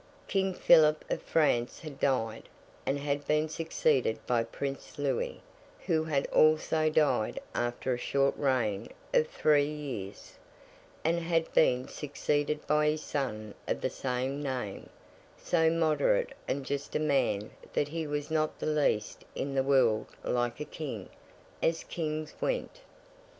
King Philip of France had died, and had been succeeded by Prince Louis, who had also died after a short reign of three years, and had been succeeded by his son of the same name—so moderate and just a man that he was not the least in the world like a King, as Kings went.